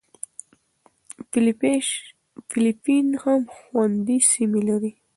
فېلېپین هم خوندي سیمې لري.